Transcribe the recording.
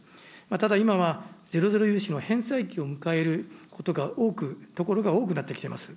ただ今は、ゼロゼロ融資の返済期を迎えることが多くなってきています。